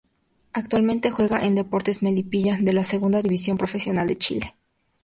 Actualmente juega en Deportes Melipilla de la Segunda División Profesional de Chile.